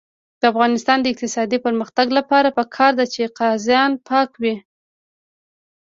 د افغانستان د اقتصادي پرمختګ لپاره پکار ده چې قاضیان پاک وي.